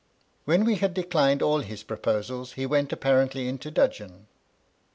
When we had declined all his proposals, he went apparently into dudgeon.